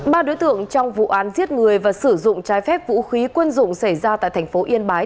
ba đối tượng trong vụ án giết người và sử dụng trái phép vũ khí quân dụng xảy ra tại thành phố yên bái